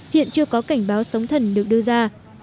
hiện chưa có cảnh báo sóng thần được đưa ra